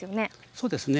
そうですね。